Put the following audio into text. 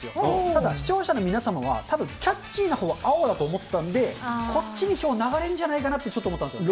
ただ、視聴者の皆様は、たぶんキャッチーなほうは青だと思ったんで、こっちに票流れるんじゃないかなと、ちょっと思ったんですよ。